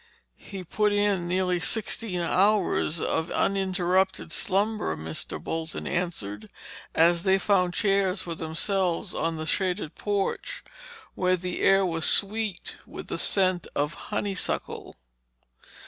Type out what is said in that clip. "He put in nearly sixteen hours of uninterrupted slumber," Mr. Bolton answered as they found chairs for themselves on the shaded porch, where the air was sweet with the scent of honeysuckle.